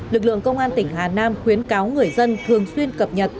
lực lượng công an tỉnh hà nam khuyến cáo người dân thường xuyên cập nhật